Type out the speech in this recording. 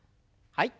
はい。